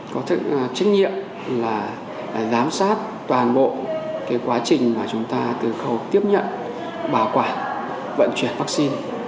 có trách nhiệm giám sát toàn bộ quá trình chúng ta từ khẩu tiếp nhận bảo quản vận chuyển vaccine